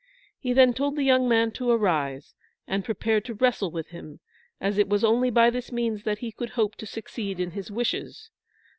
He then told the young man to arise, and prepare to wrestle with him, as it was only by this means that he could hope to succeed in his wishes.